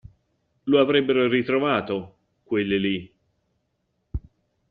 Lo avrebbero ritrovato, quelli lì.